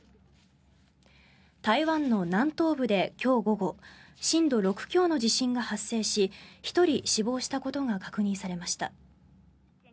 台湾の南東部で今日午後震度６強の地震が発生し１人死亡したことが確認されました。